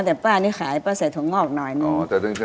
แต่ป้านี่ขายป้าใส่ถั่วงอกหน่อยนึง